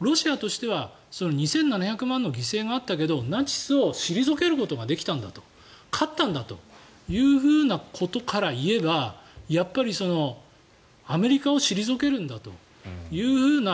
ロシアとしては２７００万の犠牲があったけどナチスを退けることができたんだと勝ったんだということからいえばやっぱりアメリカを退けるんだという